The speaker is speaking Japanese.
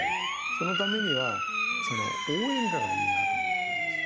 そのためには応援歌がいいなと思ったんです。